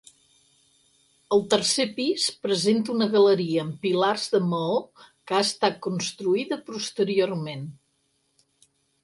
El tercer pis presenta una galeria amb pilars de maó que ha estat construïda posteriorment.